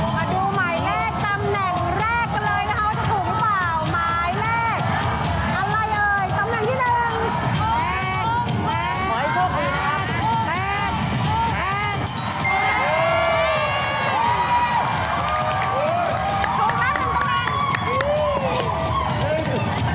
มาดูหมายแรกตำแหน่งแรกกันเลยนะคะว่าจะถูกหรือเปล่า